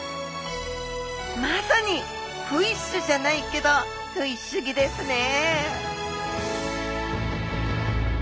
まさにフィッシュじゃないけどフィッシュギですね！